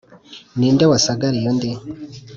ni nde wasagariye undi?